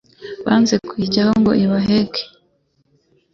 banze kuyijyaho ngo ibaheke